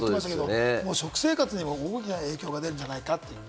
食生活にも大きな影響が出るんじゃないかと。